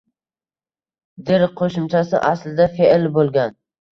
“-dir” qo‘shimchasi aslida fe’l bo‘lgan.